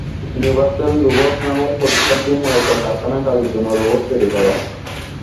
Universal robots নামের প্রতিষ্ঠানটি মূলত কারখানায় কাজের জন্য রোবটস তৈরি করে।